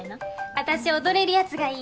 あたし踊れるやつがいい！